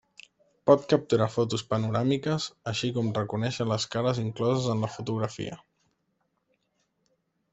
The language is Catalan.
Pot capturar fotos panoràmiques, així com reconèixer les cares incloses en la fotografia.